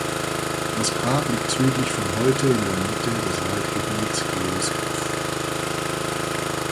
Das Grab liegt südlich von Holte in der Mitte des Waldgebiets Geel Skov.